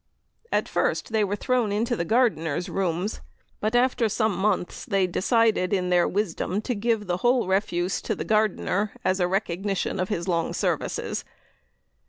At first they were thrown into the gardener's rooms; but, after some months, they decided in their wisdom to give the whole refuse to the gardener as a recognition of his long services.